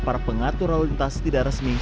para pengatur lalu lintas tidak resmi